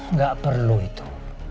nggak perlu itu